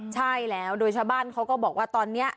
ใช่แล้วโดยชาวบ้านเขาก็บอกว่าตอนนี้